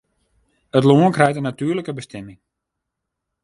It lân krijt in natuerlike bestimming.